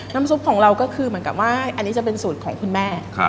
ซุปของเราก็คือเหมือนกับว่าอันนี้จะเป็นสูตรของคุณแม่